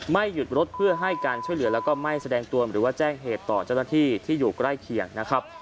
หยุดรถเพื่อให้การช่วยเหลือแล้วก็ไม่แสดงตัวหรือว่าแจ้งเหตุต่อเจ้าหน้าที่ที่อยู่ใกล้เคียงนะครับ